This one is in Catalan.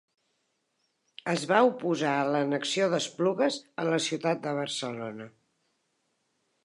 Es va oposar a l'annexió d'Esplugues a la ciutat de Barcelona.